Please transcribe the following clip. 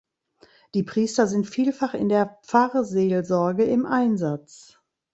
Die Priester sind vielfach in der Pfarrseelsorge im Einsatz.